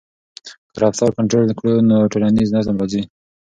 که رفتار کنټرول کړو نو ټولنیز نظم راځي.